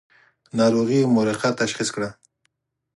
ناروغي محرقه تشخیص کړه.